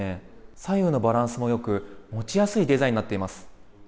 左右のバランスもよく、持ちやすいデザインになっています。